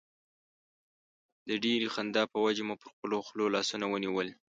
د ډېرې خندا په وجه مو پر خپلو خولو لاسونه ونیول.